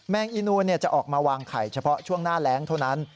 อีนูนจะออกมาวางไข่เฉพาะช่วงหน้าแรงเท่านั้น